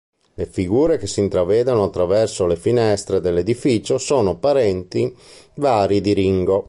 Le figure che si intravedono attraverso le finestre dell'edificio, sono parenti vari di Ringo.